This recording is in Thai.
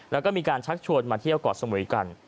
แล้วก็มีการชักชวนมาเที่ยวเกาะสมุยกัน